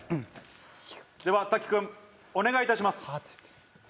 ではＴＡＫＩ君お願いいたします。